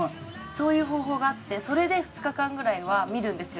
そういう方法があってそれで２日間ぐらいは見るんですよ。